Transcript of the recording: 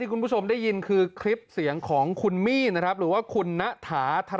อ้วนบอกให้น้องกลับบ้านนะ